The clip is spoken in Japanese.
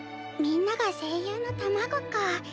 みんなが声優の卵か。